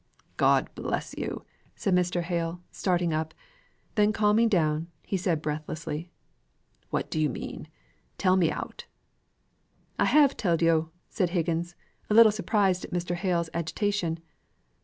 "God bless you!" said Mr. Hale, starting up; then, calming down, he said, breathlessly, "What do you mean? Tell me out." "I have telled yo'," said Higgins, a little surprised at Mr. Hale's agitation.